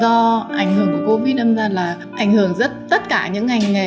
do ảnh hưởng của covid đâm ra là ảnh hưởng rất tất cả những ngành nghề